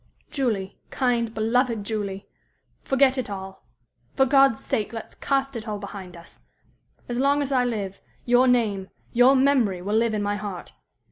"Julie kind, beloved Julie forget it all! For God's sake, let's cast it all behind us! As long as I live, your name, your memory will live in my heart.